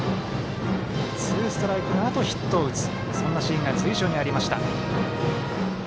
ツーストライクのあとヒットを打つそんなシーンが随所にありました。